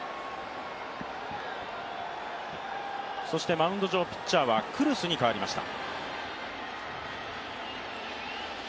マウンド上、ピッチャーはクルスに代わりました。